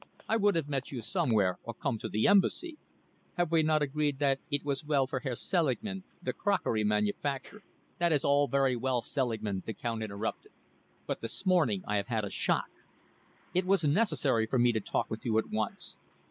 I would have met you somewhere, or come to the Embassy. Have we not agreed that it was well for Herr Selingman, the crockery manufacturer " "That is all very well, Selingman," the Count interrupted, "but this morning I have had a shock. It was necessary for me to talk with you at once.